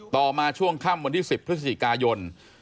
ต่อมาช่วงค่ำวันที่๑๐พฤศจิกายน